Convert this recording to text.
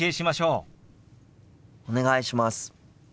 お願いします。